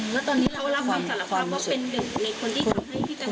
แล้วตอนนี้เรารับความสารภาพว่าเป็นหนึ่งในคนที่ทำให้พี่แตงโม